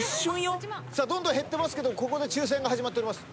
どんどん減ってますけどここで抽選が始まっております。